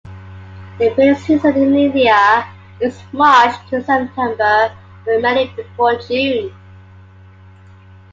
The breeding season in India is March to September but mainly before June.